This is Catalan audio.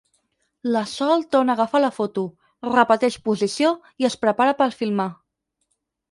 La Sol torna a agafar la foto, repeteix posició i es prepara per filmar.